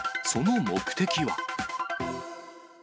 その目的は？